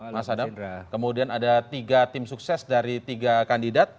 mas adam kemudian ada tiga tim sukses dari tiga kandidat